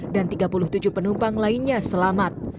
dan tiga puluh tujuh penumpang lainnya selamat